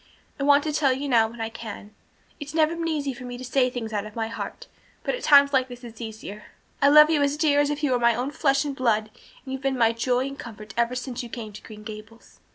I want to tell you now when I can. It's never been easy for me to say things out of my heart, but at times like this it's easier. I love you as dear as if you were my own flesh and blood and you've been my joy and comfort ever since you came to Green Gables."